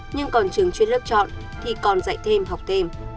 nhưng còn trường chuyên lớp chọn thì còn dạy thêm học thêm